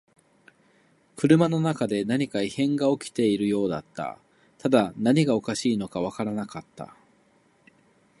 車の中で何か異変が起きているようだった。ただ何がおかしいのかわからなかった。